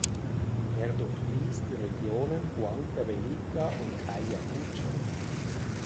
Er durchfließt die Regionen Huancavelica und Ayacucho.